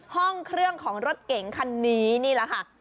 ห้องเครื่องของรถเก๋งคันนี้นี่แหละค่ะ